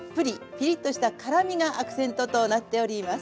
ピリッとした辛みがアクセントとなっております。